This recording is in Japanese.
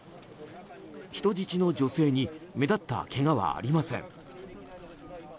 人質の女性に目立ったけがはありません。